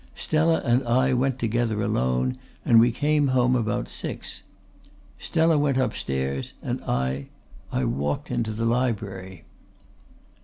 Stella and I went together alone and we came home about six. Stella went upstairs and I I walked into the library."